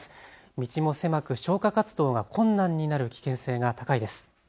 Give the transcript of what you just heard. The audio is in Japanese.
道も狭く消火活動が困難になる危険性が高いです。